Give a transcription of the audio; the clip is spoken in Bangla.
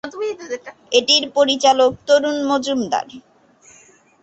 এটির পরিচালক তরুণ মজুমদার।